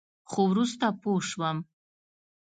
خو وروسته پوه شوم.